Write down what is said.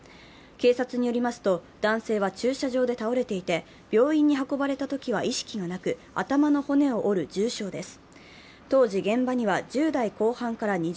警察によりますと男性は駐車場で倒れていて病院に運ばれたときは意識がなく、頭の骨を折る重傷です。